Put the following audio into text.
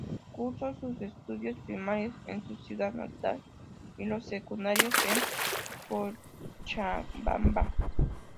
Cursó sus estudios primarios en su ciudad natal y los secundarios en Cochabamba.